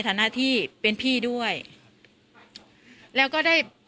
กินโทษส่องแล้วอย่างนี้ก็ได้